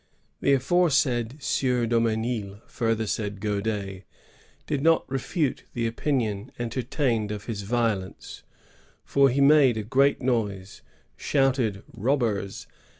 ^ The aforesaid Sieur Dumesnil, " further says GaudaiB, ^ did not refute the opinion entertained of his violence; for he made a great noise, shouted robbers!